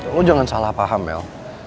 oh jangan salah paham mel